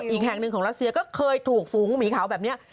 อีกแห่งหนึ่งของรัสเซียก็เคยถูกฝูงหมีขาวแบบนี้